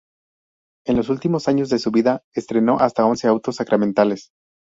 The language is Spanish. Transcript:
En los últimos años de su vida estrenó hasta once autos sacramentales.